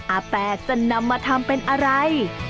อาแปดจะนำมาทำเป็นอะไร